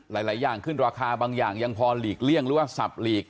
หลายอย่างขึ้นราคาบางอย่างยังพอหลีกเลี่ยงหรือว่าสับหลีก